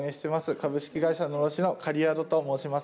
株式会社狼煙の苅宿と申します。